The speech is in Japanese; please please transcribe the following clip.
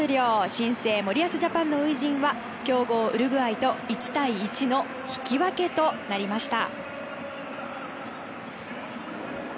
新生森保ジャパンの初陣は強豪ウルグアイと１対１の引き分けとなりました。